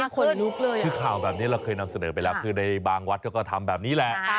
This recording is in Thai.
คือข่าวแบบนี้เราเคยนำเสนอไปแล้วคือในบางวัดเขาก็ทำแบบนี้แหละ